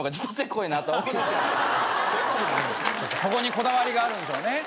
そこにこだわりがあるんでしょうね。